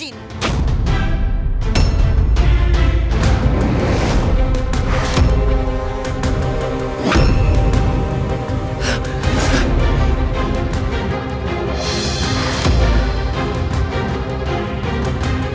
untuk menghentikan kezaliman disini